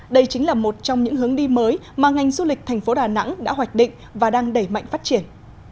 đây chính là một trong những hướng đi mới mà ngành du lịch thành phố đà nẵng đã hoạch định và đang đẩy mạnh phát triển